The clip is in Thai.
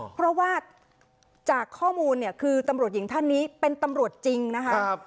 เพราะว่าจากข้อมูลเนี่ยคือตำรวจหญิงท่านนี้เป็นตำรวจจริงนะคะ